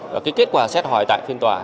và cái kết quả xét hỏi tại phiên tòa